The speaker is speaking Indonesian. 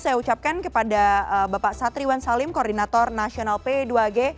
saya ucapkan kepada bapak satriwan salim koordinator nasional p dua g